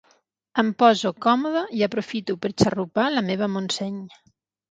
Em poso còmoda i aprofito per xarrupar la meva Montseny.